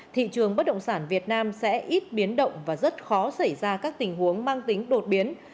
thị trường bất động sản việt nam sẽ ít biến động và rất khó xảy ra các tình huống mang tính đột biến